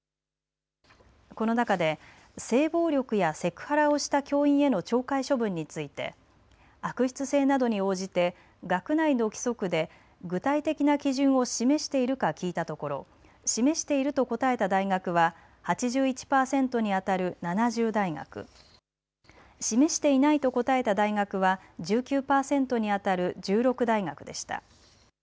この中で性暴力やセクハラをした教員への懲戒処分について悪質性などに応じて学内の規則で具体的な基準を示しているか聞いたところ、示していると答えた大学は８１％にあたる７０大学、示していないと答えた大学は１９％にあたる１６大学でした。